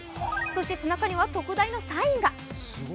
そして背中には特大のサインが。